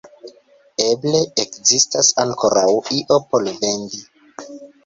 Eble ekzistas ankoraŭ io por vendi?